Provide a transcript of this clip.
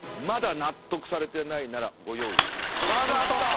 まだ納得されてないならご用意いたします。